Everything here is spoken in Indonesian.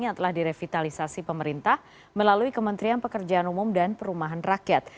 yang telah direvitalisasi pemerintah melalui kementerian pekerjaan umum dan perumahan rakyat